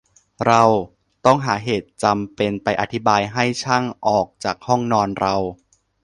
เราต้องหาเหตุจำเป็นไปอธิบายให้ช่างออกจากห้องนอนเรา